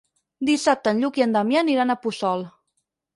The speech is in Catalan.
Dissabte en Lluc i en Damià aniran a Puçol.